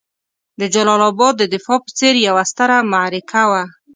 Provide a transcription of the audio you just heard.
د جلال اباد د دفاع په څېر یوه ستره معرکه وه.